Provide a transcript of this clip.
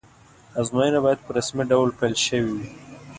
ازموینه باید په رسمي ډول پیل شوې وی.